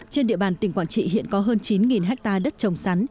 trên địa bàn tỉnh quảng trị hiện có hơn chín hectare đất trồng sắn